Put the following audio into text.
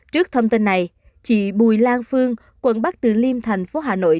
trước thông tin này chị bùi lan phương quận bắc từ liêm thành phố hà nội